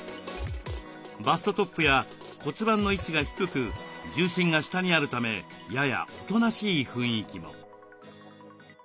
バストトップや骨盤の位置が低く重心が下にあるためややおとなしい雰囲気も。